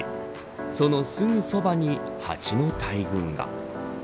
そのすぐそばにハチの大群が。